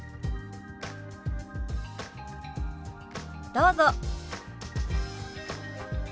どうぞ。